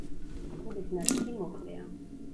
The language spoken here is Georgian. კუდის ნაწილი მოკლეა.